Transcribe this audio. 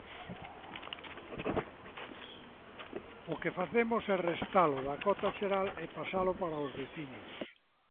O que facemos é restalo da cota xeral e pasalo para os veciños.